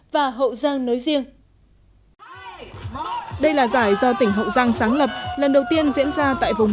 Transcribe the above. và hậu giang nói riêng đây là giải do tỉnh hậu giang sáng lập lần đầu tiên diễn ra tại vùng